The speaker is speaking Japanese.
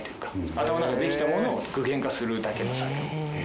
頭の中でできたものを具現化するだけの作業。